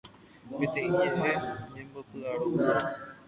Peteĩ ñe'ẽ nembopy'arorýva